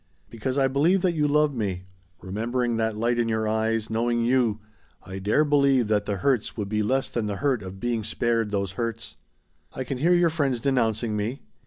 "Because I believe that you love me. Remembering that light in your eyes, knowing you, I dare believe that the hurts would be less than the hurt of being spared those hurts. "I can hear your friends denouncing me.